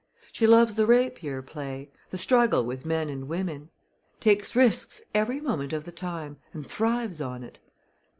"She loves the rapier play the struggle with men and women. Takes risks every moment of the time and thrives on it.